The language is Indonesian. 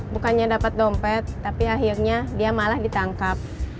bukannya dapat dompet tapi akhirnya dia malah ditangkap